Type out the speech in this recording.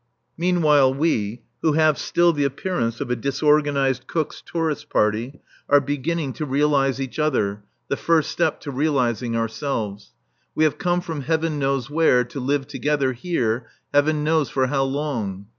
Meanwhile we, who have still the appearance of a disorganized Cook's tourist party, are beginning to realize each other, the first step to realizing ourselves. We have come from heaven knows where to live together here heaven knows for how long.